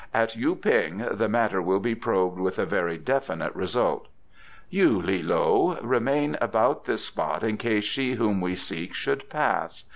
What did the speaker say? "At Yu ping the matter will be probed with a very definite result. You, Li loe, remain about this spot in case she whom we seek should pass.